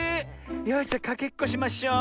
よしじゃかけっこしましょう。